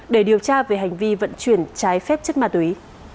để điều tra về hành vi vận chuyển trái phép chất ma túy